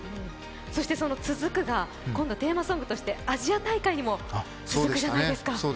そしてその続くが今度テーマソングとしてアジア大会にも続くじゃないですか。